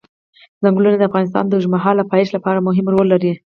ځنګلونه د افغانستان د اوږدمهاله پایښت لپاره مهم رول لري.